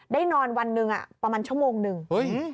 ได้นอนวันนึงประมาณชั่วโมงนึงแล้วเฮ่ย